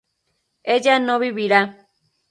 ella no vivirá